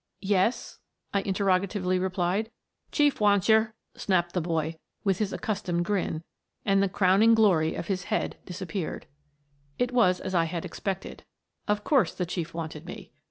"Yes?" I interrogatively replied. "Chief wants yer," snapped the boy, with his accustomed grin, and the crowning glory of his head disappeared. It was as I had expected. Of course the Chief wanted me.